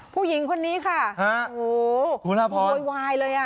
คุณนัททะพงผมโวยวายเลยอะ